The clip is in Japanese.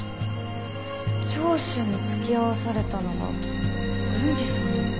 聴取に付き合わされたのが郡司さんのほう。